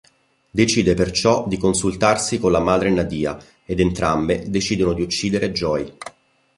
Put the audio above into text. Decide perciò di consultarsi con la madre Nadja ed entrambe decidono di uccidere Joey.